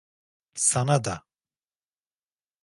Sana da.